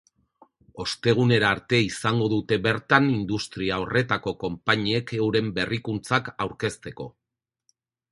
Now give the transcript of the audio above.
Ostegunera arte izango dute bertan industria horretako konpainiek euren berrikuntzak aurkezteko.